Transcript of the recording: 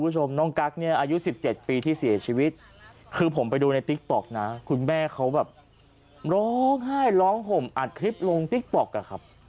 ร้องไห้ร้องห่มอัดคลิปลงติ๊กปลอก